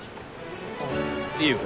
ああいいよ。